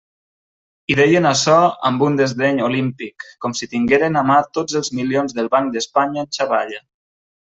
I deien açò amb un desdeny olímpic, com si tingueren a mà tots els milions del Banc d'Espanya en xavalla.